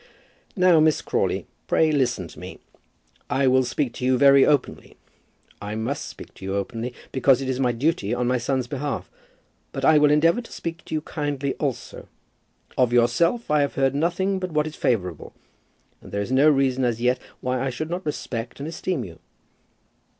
"Now, Miss Crawley, pray listen to me; I will speak to you very openly. I must speak to you openly, because it is my duty on my son's behalf but I will endeavour to speak to you kindly also. Of yourself I have heard nothing but what is favourable, and there is no reason as yet why I should not respect and esteem you."